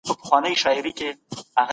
ځینو لیکوالانو د سیاست په اړه لیکنې کړې دي.